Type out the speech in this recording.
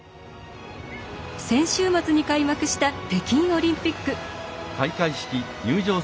先週末に開幕した北京オリンピック。